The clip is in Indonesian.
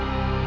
ya makasih ya